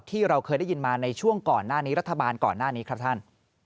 ที่เราเคยได้ยินมาในช่วงก่อนหน้านี้รัฐบาลก่อนหน้านี้ครับท่าน